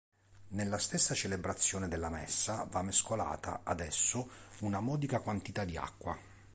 Nella stessa celebrazione della Messa va mescolata ad esso una modica quantità di acqua.